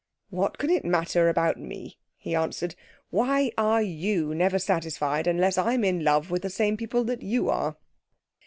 'What can it matter about me?' he answered. 'Why are you never satisfied unless I'm in love with the same people that you are?'